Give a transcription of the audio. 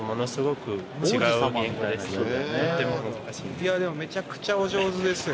いやでもめちゃくちゃお上手ですよ。